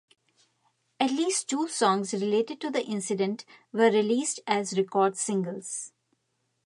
At least two songs related to the incident were released as record singles.